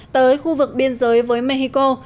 tới khu vực biên giới với mexico